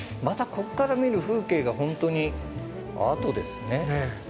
またここから見る風景が本当にアートですね。